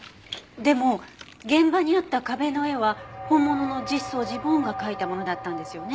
でも現場にあった壁の絵は本物の実相寺梵が描いたものだったんですよね？